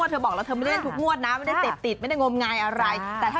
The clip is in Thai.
เฮะหนูได้ไปสร้างพระแล้ว